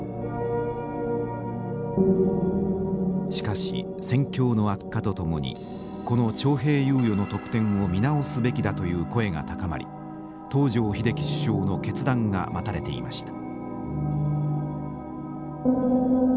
しかし戦況の悪化とともにこの徴兵猶予の特典を見直すべきだという声が高まり東條英機首相の決断が待たれていました。